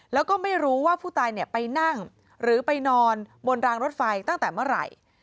แล้วก็ไม่รู้ว่าผู้ตายไปนั่งหรือไปนอนบนรางรถไฟตั้งแต่เมื่อไหร่